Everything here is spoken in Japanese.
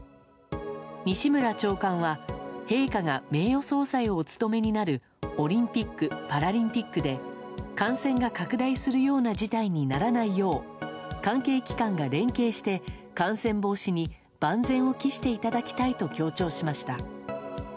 西村長官は陛下が名誉総裁をお務めになるオリンピック・パラリンピックで感染が拡大するような事態にならないよう関係機関が連携して感染防止に万全を期していただきたいと強調しました。